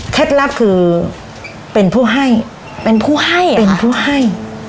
ลับคือเป็นผู้ให้เป็นผู้ให้เป็นผู้ให้